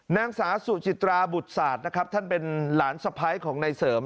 นางสาวสุจิตราบุตรศาสตร์นะครับท่านเป็นหลานสะพ้ายของนายเสริม